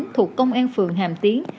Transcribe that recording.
thuộc công an phường hàm tiến